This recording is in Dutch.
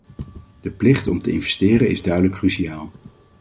De plicht om te investeren is duidelijk cruciaal.